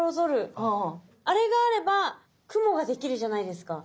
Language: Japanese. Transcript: あれがあれば雲ができるじゃないですか。